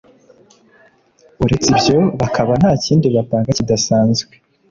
uretse ibyo bakaba nta kindi bapanga kidasanzwe